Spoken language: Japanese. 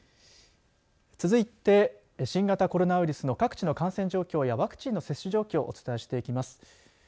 続いて、新型コロナウイルスの各地の感染状況やワクチンの接種状況をお伝えしていきます。